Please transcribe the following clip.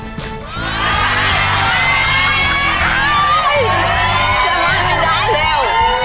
เอ้า